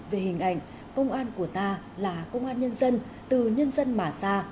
về hình ảnh công an của ta là công an nhân dân từ nhân dân mà ra